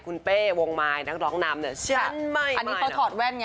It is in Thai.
คุณเป้วงมายนักร้องนำเนี่ยเชื่อมั่นอันนี้เขาถอดแว่นไง